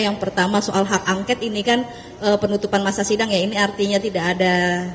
yang pertama soal hak angket ini kan penutupan masa sidang ya ini artinya tidak ada